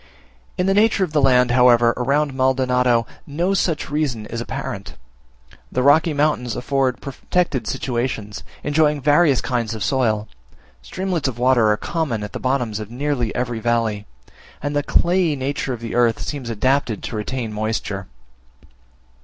In the nature of the land, however, around Maldonado, no such reason is apparent; the rocky mountains afford protected situations; enjoying various kinds of soil; streamlets of water are common at the bottoms of nearly every valley; and the clayey nature of the earth seems adapted to retain moisture.